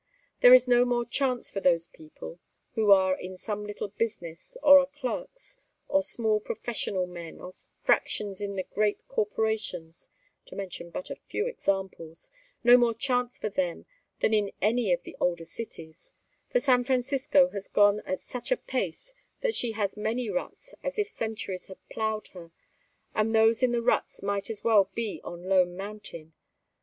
There is no more chance for those people who are in some little business, or are clerks, or small professional men, or fractions in the great corporations to mention but a few examples no more chance for them than in any of the older cities; for San Francisco has gone at such a pace that she has as many ruts as if centuries had plowed her, and those in the ruts might as well be on Lone Mountain.